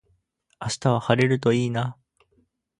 明日は晴れるといいな